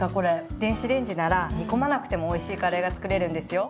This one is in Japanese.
電子レンジなら煮込まなくてもおいしいカレーが作れるんですよ。